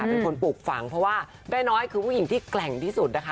เป็นคนปลูกฝังเพราะว่าแม่น้อยคือผู้หญิงที่แกร่งที่สุดนะคะ